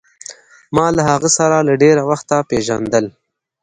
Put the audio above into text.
ما له هغه سره له ډېره وخته پېژندل.